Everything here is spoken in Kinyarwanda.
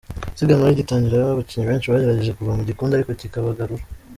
Isiganwa rigitangira abakinnyi benshi bagerageje kuva mu gikundi ariko kikabagarura.